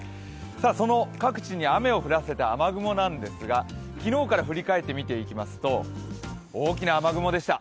その各地に雨を降らせた雨雲なんですが昨日から振り返ってみていきますと大きな雨雲でした。